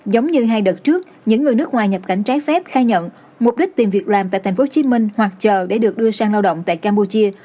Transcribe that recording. giống như hai đợt trước những người nước ngoài nhập cảnh trái phép khai nhận mục đích tìm việc làm tại tp hcm hoặc chờ để được đưa sang lao động tại campuchia